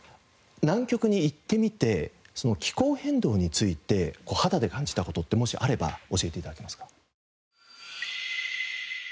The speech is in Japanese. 南極に行ってみて気候変動について肌で感じた事ってもしあれば教えて頂けますか？